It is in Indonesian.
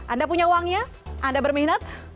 anda punya uangnya anda berminat